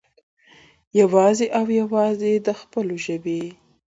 يوازې او يوازې د خپلو ژبې